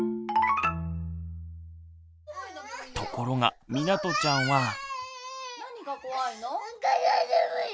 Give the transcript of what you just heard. ところがみなとちゃんは。